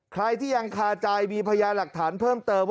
ใครที่ยังคาใจมีพยาหลักฐานเพิ่มเติม